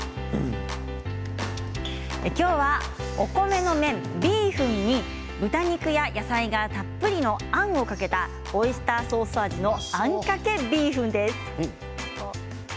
今日は、お米の麺ビーフンに豚肉や野菜がたっぷりのあんをかけたオイスターソース味のあんかけビーフンです。